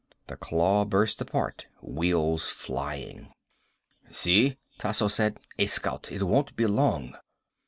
The claw burst apart, wheels flying. "See?" Tasso said. "A scout. It won't be long."